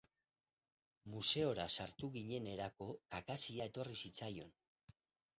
Museora sartu ginenerako kakazia etorri zitzaion.